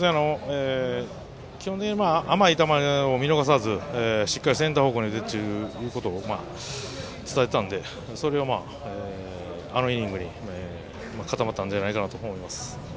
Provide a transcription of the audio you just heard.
基本的に甘い球を見逃さずしっかりセンター方向にということを伝えてたのでそれがあのイニングに固まったんじゃないかなと思います。